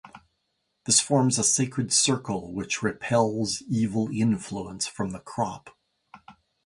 This forms a sacred circle which repels evil influence from the crop.